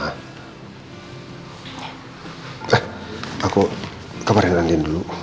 eh aku kemarin hilangin dulu